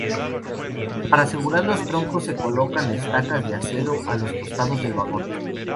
Para asegurar los troncos se colocan estacas de acero a los costados del vagón.